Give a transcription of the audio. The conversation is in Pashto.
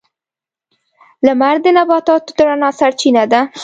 • لمر د نباتاتو د رڼا سرچینه ده.